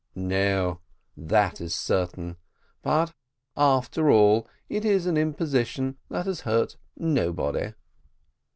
"No, that is certain; but after all, it is an imposition that has hurt nobody."